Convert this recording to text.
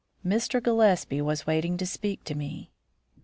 Mr. Gillespie was waiting to speak to me.